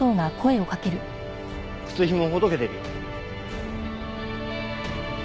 靴ひもほどけてるよ。